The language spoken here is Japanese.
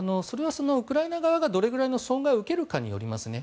ウクライナ側がどれくらいの損害を受けるかによりますね。